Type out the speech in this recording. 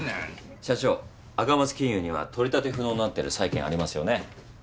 社長赤松金融には取り立て不能になってる債権ありますよね？